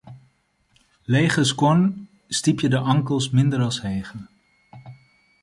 Lege skuon stypje de ankels minder as hege.